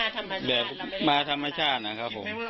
ยังไงก็ได้หรอครับผมมาธรรมชาตินะครับผม